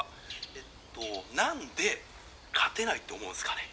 えっと何で勝てないと思うんすかね？